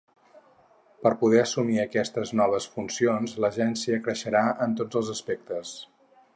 Per a poder assumir aquestes noves funcions, l’agència creixerà en tots els aspectes.